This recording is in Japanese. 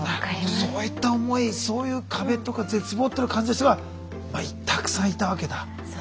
そういった思いそういう壁とか絶望っていうのを感じた人がたくさんいたわけだ。